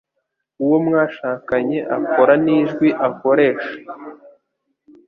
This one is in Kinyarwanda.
uwo mwashakanye akora n'ijwi akoresha